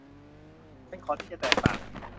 ฉันขอที่จะแตกต่าง